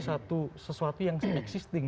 sesuatu yang existing